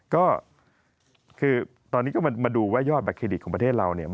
ก็คือตอนนี้ก็มาดูว่ายอดบัตเครดิตของประเทศเราเนี่ย